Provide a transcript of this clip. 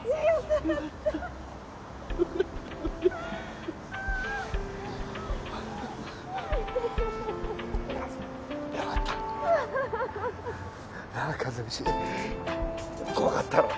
よかった。